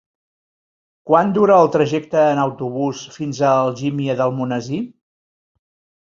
Quant dura el trajecte en autobús fins a Algímia d'Almonesir?